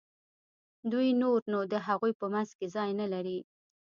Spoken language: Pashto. دوی نور نو د هغوی په منځ کې ځای نه لري.